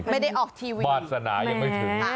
ไม่ได้ออกทีวีวาสนายังไม่ถึง